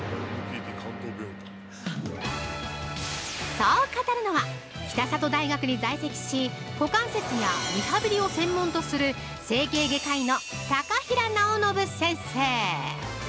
◆そう語るのは、北里大学に在籍し股関節やリハビリを専門とする整形外科医の高平尚伸先生。